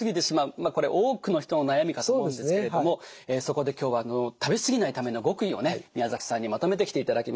まあこれ多くの人の悩みかと思うんですけれどもそこで今日は食べ過ぎないための極意をね宮崎さんにまとめてきていただきました。